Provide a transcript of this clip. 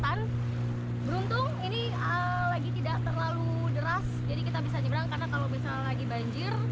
beruntung ini lagi tidak terlalu deras jadi kita bisa nyebrang karena kalau misalnya lagi banjir